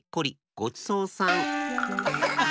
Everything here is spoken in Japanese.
ごちそうさん。